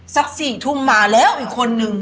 สัก๔ทุ่มมาแล้วอีกคนนึง